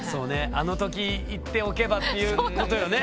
あの時いっておけばっていうことよね？